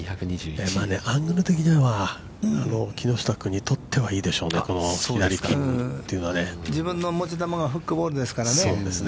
アングル的には木下君にとってはいいでしょうね、この左キープというのは。自分の持ち球がフックボールですからね。